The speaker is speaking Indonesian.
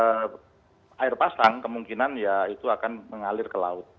kalau air pasang kemungkinan ya itu akan mengalir ke laut